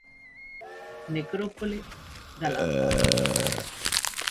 Necrópole da Lanzada.